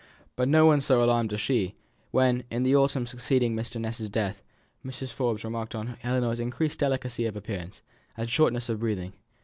But no one so alarmed as she, when, in the autumn succeeding Mr. Ness's death, Mrs. Forbes remarked to her on Ellinor's increased delicacy of appearance, and shortness of breathing.